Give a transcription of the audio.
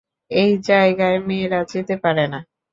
ওই জায়গায় মেয়েরা যেতে পারে না।